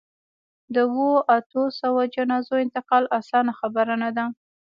د اوو، اتو سووو جنازو انتقال اسانه خبره نه ده.